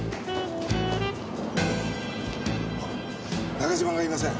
中島がいません。